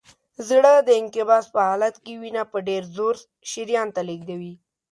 زړه د انقباض په حالت کې وینه په ډېر زور شریان ته لیږدوي.